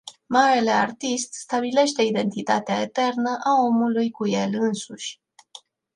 Marele artist stabilește identitatea eternă a omului cu el însuși.